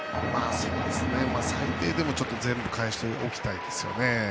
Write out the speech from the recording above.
最低でも全部かえしておきたいですよね。